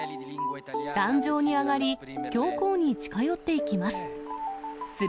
壇上に上がり、教皇に近寄っていきます。